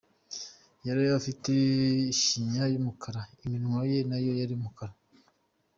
Yari afite ishinya y’umukara, iminwa ye nayo ari umukara.